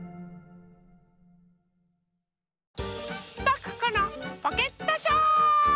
パクこのポケットショー！